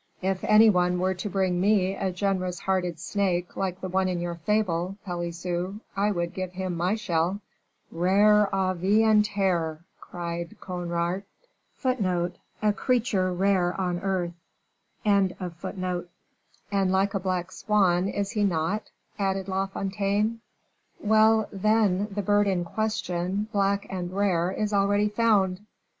If any one were to bring me a generous hearted snake like the one in your fable, Pelisson, I would give him my shell." "Rara avis in terres!" cried Conrart. "And like a black swan, is he not?" added La Fontaine; "well, then, the bird in question, black and rare, is already found."